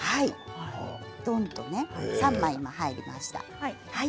どんとね、３枚入りました。